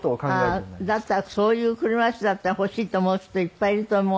ああそういう車イスだったら欲しいと思う人いっぱいいると思う。